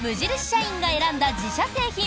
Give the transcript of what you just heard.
社員が選んだ自社製品